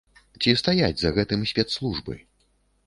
Ці стаяць за гэтым спецслужбы?